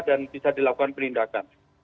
dan bisa dilakukan perlindakan